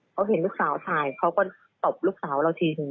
เขาเห็นลูกสาวถ่ายเขาก็ตบลูกสาวเราทีนึง